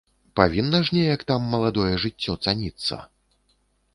Павінна ж неяк там маладое жыццё цаніцца?